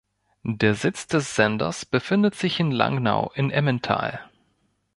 Der Sitz des Senders befindet sich in Langnau im Emmental.